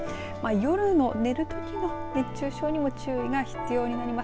夜も寝るときも熱中症に注意が必要になります。